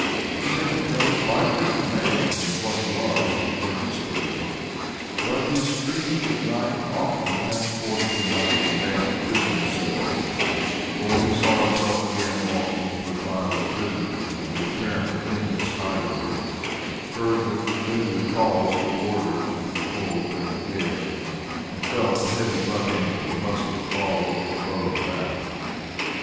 He had become quite a different man from what he was when he first escaped. But his dreams at night often transported him back to the damp prison cell, or he saw himself again walking in the file of the prisoners on the apparently endless high road, heard the familiar calls of the warders through the cold winter air, and felt the heavy butt end of the musket fall on his bowed back.